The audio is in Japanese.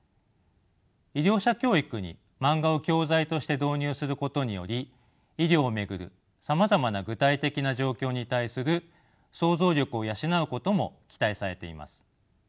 医療者教育にマンガを教材として導入することにより医療を巡るさまざまな具体的な状況に対する想像力を養うことも期待されています。